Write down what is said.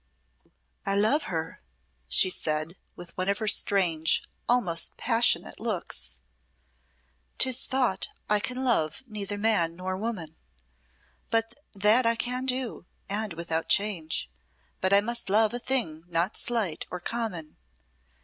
"I love her," she said, with one of her strange, almost passionate, looks. "'Tis thought I can love neither man nor woman. But that I can do, and without change; but I must love a thing not slight nor common.